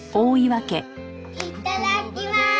いただきまーす！